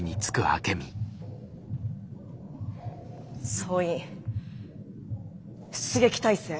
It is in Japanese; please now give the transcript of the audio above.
総員出撃態勢。